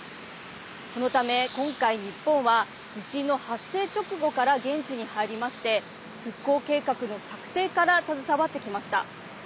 このため今回、日本は地震の発生直後から現地に入りまして復興計画の策定から携わってきました。